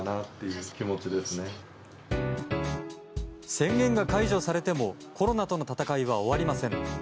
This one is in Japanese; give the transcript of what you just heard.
宣言が解除されてもコロナとの闘いは終わりません。